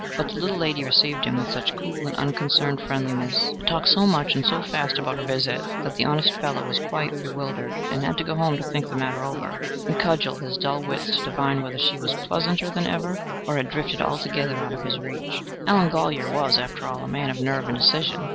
But the little lady received him with such cool and unconcerned friendliness, talked so much and so fast about her visit, that the honest fellow was quite bewildered, and had to go home to think the matter over, and cudgel his dull wits to divine whether she was pleasanter than ever, or had drifted altogether out of his reach. Allen Golyer was, after all, a man of nerve and decision.